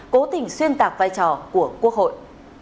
cố tình xuyên tạc vai trò của quốc hội